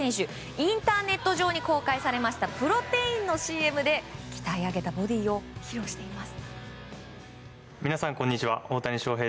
インターネット上に公開されたプロテインのＣＭで鍛え上げたボディーを披露しています。